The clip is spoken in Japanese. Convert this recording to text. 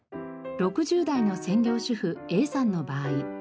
６０代の専業主婦Ａさんの場合。